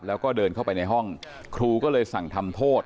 แล้วก็เดินเข้าไปในห้องครูก็เลยสั่งทำโทษ